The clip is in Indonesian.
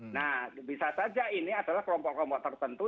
nah bisa saja ini adalah kelompok kelompok tertentu